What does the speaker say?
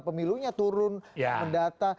pemilunya turun mendata